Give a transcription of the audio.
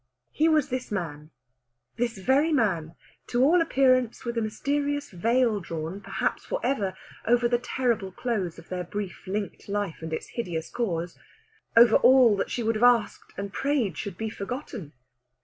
He was this man this very man to all appearance with a mysterious veil drawn, perhaps for ever, over the terrible close of their brief linked life and its hideous cause over all that she would have asked and prayed should be forgotten.